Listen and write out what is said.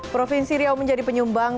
provinsi riau menjadi penyumbang